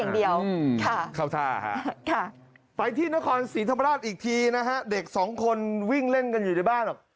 ที่นครศรีธรรมดาษอีกทีนะฮะเด็ก๒คนวิ่งเล่นกันอยู่ในบ้านอ่ะ